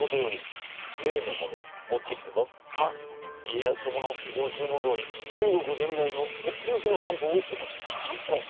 家康殿のご注文どおり中国伝来の取って置きの漢方をお持ちいたしました。